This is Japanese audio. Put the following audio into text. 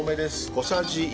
小さじ１。